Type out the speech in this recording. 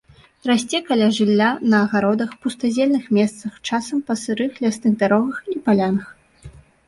Расце каля жылля, на агародах, пустазельных месцах, часам па сырых лясных дарогах і палянах.